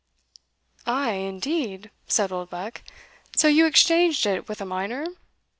"Ay! indeed?" said Oldbuck; "so you exchanged it with a miner?